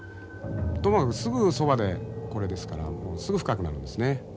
ともかくすぐそばでこれですからすぐ深くなるんですね。